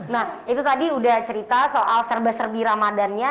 nah itu tadi udah cerita soal serba serbi ramadannya